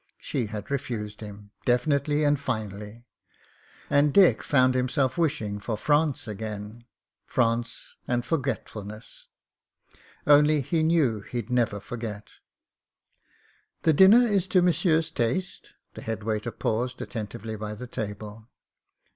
She had refused him — definitely and finally; and Dick found himself wishing for France again — France and forgetfulness. Only he knew he'd never forget. *'The dinner is to monsieur's taste?" The head waiter paused attentively by the table.